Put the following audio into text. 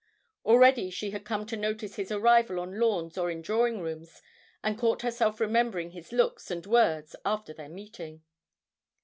Already she had come to notice his arrival on lawns or in drawing rooms, and caught herself remembering his looks and words after their meeting.